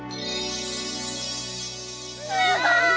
すごい！